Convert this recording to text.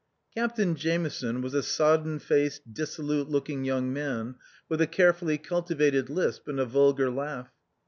Captain Jameson was a sodden faced dissolute look ing young man, with a carefully cultivated lisp and a vulgar laugh.